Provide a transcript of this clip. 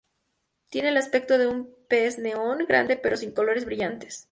Tiene el aspecto de un pez neón grande pero sin colores brillantes.